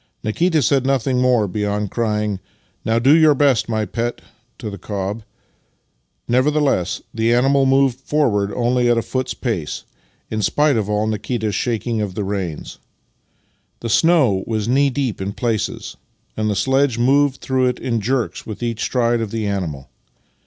Nikita said nothing more beyond crying, " Now do your best, my pet! " to the cob. Nevertheless, the animal moved forward only at a foot's pace, in spite of all Nikita's shaking of the reins. The snow was knee deep in places, ancl the sledge moved through it in jerks with each stride of the animal.